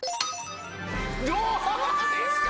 どうですか！